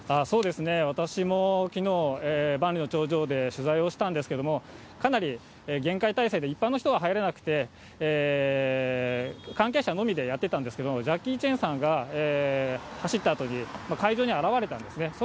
そうですね、私もきのう、万里の長城で取材をしたんですけれども、かなり厳戒態勢で、一般の人は入れなくて、関係者のみでやってたんですけれども、ジャッキー・チェンさんが走ったあとに、会場に現れたんですね。